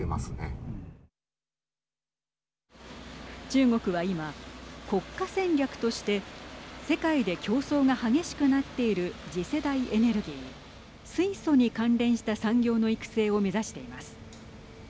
中国は今、国家戦略として世界で競争が激しくなっている次世代エネルギー水素に関連した産業の育成を目指しています。